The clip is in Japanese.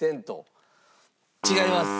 違います。